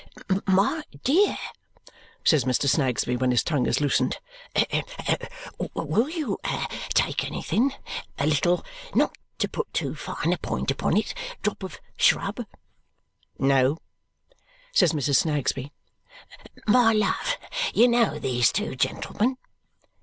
"My dear," says Mr. Snagsby when his tongue is loosened, "will you take anything? A little not to put too fine a point upon it drop of shrub?" "No," says Mrs. Snagsby. "My love, you know these two gentlemen?"